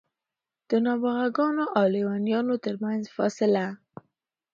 د نابغه ګانو او لېونیانو ترمنځ فاصله.